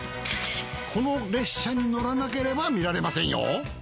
この列車に乗らなければ見られませんよ。